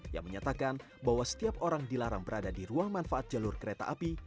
yang menyatakan bahwa setiap orang dilarang berada di ruang manfaat jalur kereta api